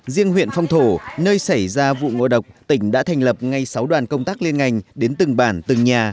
riêng huyện phong thổ nơi xảy ra vụ ngộ độc tỉnh đã thành lập ngay sáu đoàn công tác liên ngành đến từng bản từng nhà